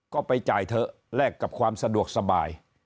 ก็ไปจ่ายเถอะแลกกับความสะดวกสบาย